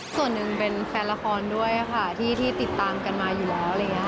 ส่วนหนึ่งเป็นแฟนละครด้วยค่ะที่ติดตามกันมาอยู่แล้วอะไรอย่างนี้